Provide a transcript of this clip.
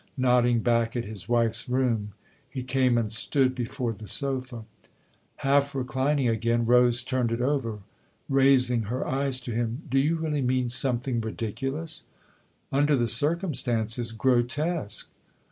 Nodding back at his wife's room, he came and stood before the sofa. Half reclining again, Rose turned it over, raising her eyes to him. " Do you really mean something ridiculous ?"" Under the circumstances grotesque."